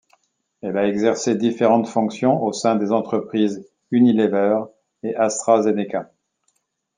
Elle a exercé différentes fonctions au sein des entreprises Unilever et AstraZeneca.